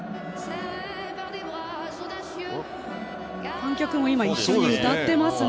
観客も一緒に歌っていますね。